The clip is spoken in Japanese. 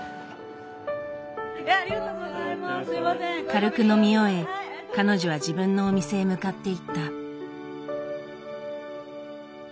軽く飲み終え彼女は自分のお店へ向かっていった。